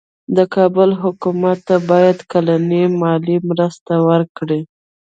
د کابل حکومت ته باید کلنۍ مالي مرسته ورکړي.